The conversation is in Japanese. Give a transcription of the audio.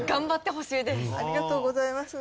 ありがとうございます。